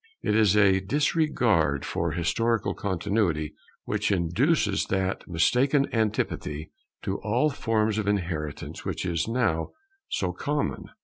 It is a disregard for historical Continuity which induces that mistaken antipathy to all forms of inheritance which is now so common.